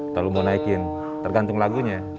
kalau mau naikin tergantung lagunya